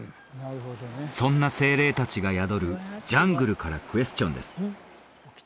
そんな精霊達が宿るジャングルからクエスチョンです